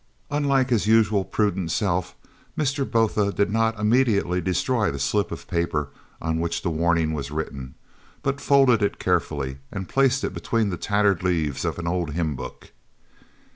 Unlike his usual prudent self, Mr. Botha did not immediately destroy the slip of paper on which the warning was written, but folded it carefully and placed it between the tattered leaves of an old hymn book.